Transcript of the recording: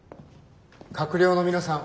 閣僚の皆さん